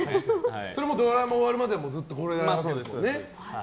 それもドラマが終わるまではずっとこれなわけですよね。